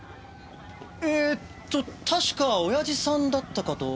えーっと確か親父さんだったかと。